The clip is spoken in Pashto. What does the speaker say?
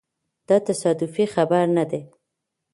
دا تصادفي خبره نه ده.